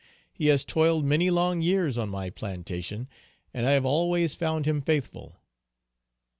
He has toiled many long years on my plantation and I have always found him faithful."